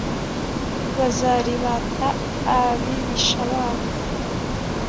Bazaribata abibisha babo